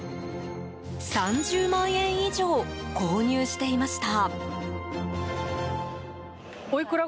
３０万円以上購入していました。